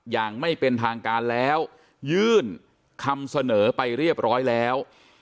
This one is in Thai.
อย่างไม่เป็นทางการแล้วยื่นคำเสนอไปเรียบร้อยแล้ว